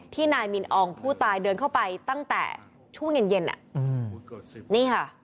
นายมินอองผู้ตายเดินเข้าไปตั้งแต่ช่วงเย็นเย็นอ่ะอืมนี่ค่ะ